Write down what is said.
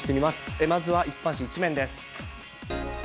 まずは一般紙１面です。